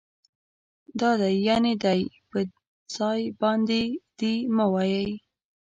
دا دی يعنې دے په ځای باندي دي مه وايئ